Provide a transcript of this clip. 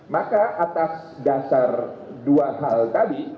maka atas dasar dua hal tadi